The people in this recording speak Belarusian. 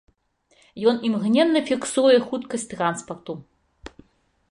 Ён імгненна фіксуе хуткасць транспарту.